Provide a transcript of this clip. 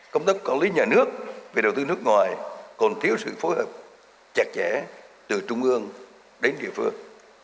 công tác quản lý nhà nước về đầu tư nước ngoài còn thiếu sự phối hợp chặt chẽ từ trung ương đến địa phương